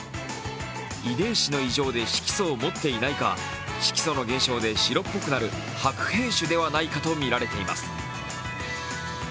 遺伝子の異常で色素を持っていないか、色素の減少で白っぽくなる白変種ではないかとみられています。